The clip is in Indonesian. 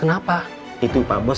gak ada ninguém lagi ngebar